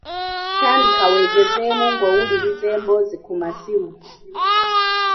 Tandika wegezeemu ng'owuliriza emboozi ku masimu